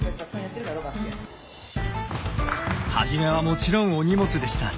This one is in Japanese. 初めはもちろんお荷物でした。